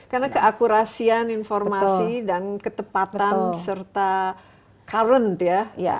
karena keakurasian informasi dan ketepatan serta current ya